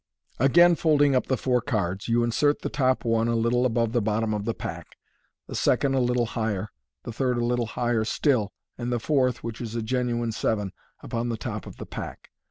Again folding up the four cards, you insert the top one a little above the bottom of the pack, the second a little higher, the third a little higher still, and the fourth (which is a genuine seven) upon the top of the pack.